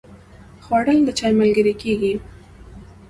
خوړل د چای ملګری کېږي